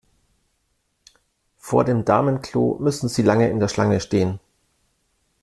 Vor dem Damenklo müssen Sie lange in der Schlange stehen.